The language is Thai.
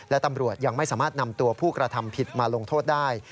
และตำรวจยังไม่สามารถนำตัวผู้กระทำผิดมาลงโทษได้